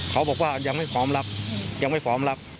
เขาบอกว่ายังไม่พร้อมรับยังไม่พร้อมรับ